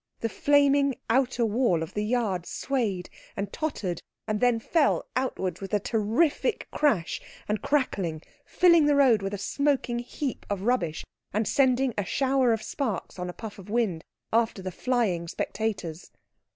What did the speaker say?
The flaming outer wall of the yard swayed and tottered and then fell outwards with a terrific crash and crackling, filling the road with a smoking heap of rubbish, and sending a shower of sparks on a puff of wind after the flying spectators.